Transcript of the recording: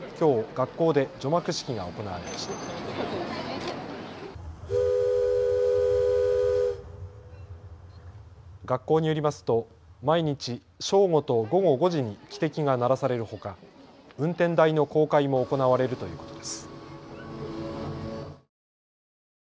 学校によりますと毎日、正午と午後５時に汽笛が鳴らされるほか、運転台の公開も行われるということです。